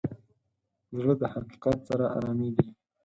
زړه د حقیقت سره ارامېږي.